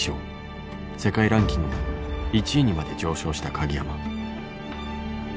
世界ランキングも１位にまで上昇した鍵山。